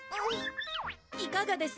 いかがです？